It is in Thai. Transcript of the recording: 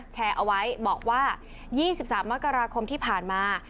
แชร์เอาไว้บอกว่า๒๓มกราคมที่ผ่านมา